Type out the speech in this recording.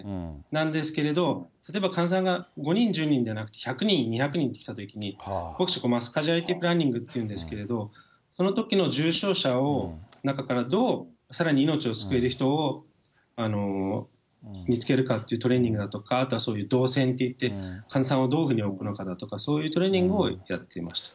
なんですけれども、例えば、患者さんが５人、１０人じゃなく、１００人、２００人と来たときに、カジュアルティプランニングっていうんですけど、そのときの重傷者の中からどうさらに命を救える人を見つけるかっていうトレーニングだとか、あとはそういう動線といって、患者さんをどういうふうに置くのかとか、そういうトレーニングをやっていました。